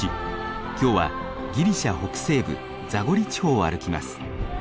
今日はギリシャ北西部ザゴリ地方を歩きます。